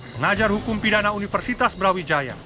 pengajar hukum pidana universitas brawijaya